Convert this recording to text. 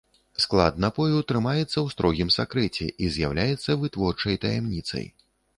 Склад напою трымаецца ў строгім сакрэце і з'яўляецца вытворчай таямніцай.